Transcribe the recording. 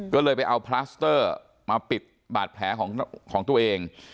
ก็เลยไปเอาพลาสเตอร์มาปิดบาดแผลของตัวเอง